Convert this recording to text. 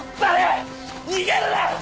逃げるな！